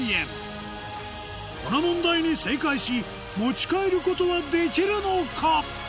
この問題に正解し持ち帰ることはできるのか？